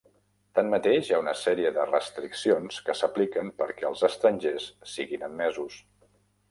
Tanmateix, hi ha una sèrie de restriccions que s'apliquen perquè els estrangers siguin admesos.